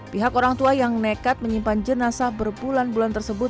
pihak orang tua yang nekat menyimpan jenazah berbulan bulan tersebut